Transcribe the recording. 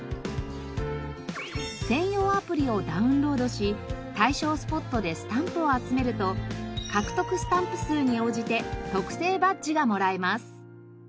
専用アプリをダウンロードし対象スポットでスタンプを集めると獲得スタンプ数に応じて特製バッジがもらえます。